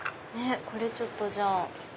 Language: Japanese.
これちょっとじゃあ。